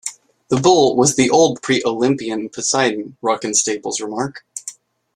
"The Bull was the old pre-Olympian Poseidon," Ruck and Staples remark.